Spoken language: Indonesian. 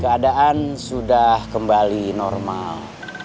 keadaan sudah kembali normal